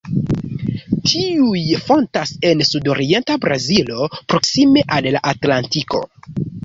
Tiuj fontas en sudorienta Brazilo, proksime al la Atlantiko.